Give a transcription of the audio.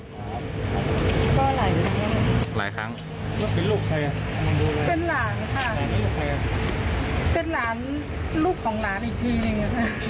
ก็หลายครั้งหลายครั้งแล้วเป็นลูกใครอ่ะเป็นหลานค่ะเป็นหลานลูกของหลานอีกทีหนึ่ง